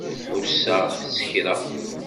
Ḥusseɣ s kra.